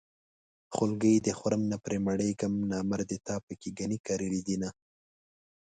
خولګۍ دې خورم نه پرې مړېږم نامردې تا پکې ګني کرلي دينه